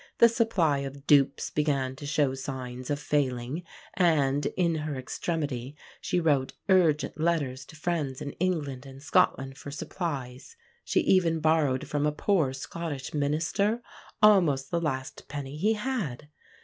The supply of dupes began to show signs of failing, and in her extremity she wrote urgent letters to friends in England and Scotland for supplies; she even borrowed from a poor Scottish minister almost the last penny he had.